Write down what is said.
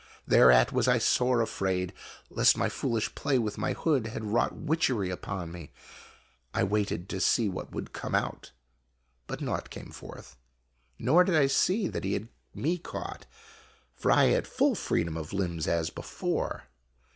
Thereat was I sore afraid lest my foolish play with my hood had wrought witchery upon me. I waited to see what would "come out." But naught came forth, nor did I see that he had me caught, for I had full freedom of limbs as before.